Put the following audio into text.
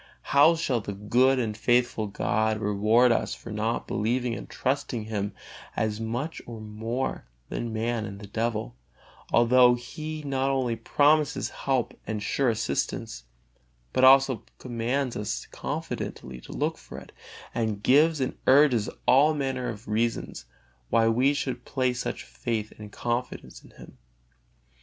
How shall the good and faithful God reward us for not believing and trusting Him as much or more than man and the devil, although He not only promises help and sure assistance, but also commands us confidently to look for it, and gives and urges all manner of reasons why we should place such faith and confidence in Him?